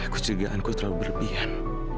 kecelakaanku terlalu berlebihan